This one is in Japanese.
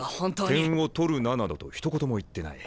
「点を取るな」などとひと言も言ってない。